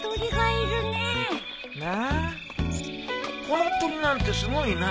この鳥なんてすごいな。